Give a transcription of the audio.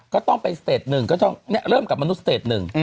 ก็ต้องไปสเตจหนึ่งก็ต้องเริ่มกับมนุษเตจหนึ่ง